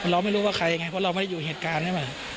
เราไม่รู้ว่าใครยังไงเพราะเราไม่ได้อยู่เหตุการณ์ใช่ไหม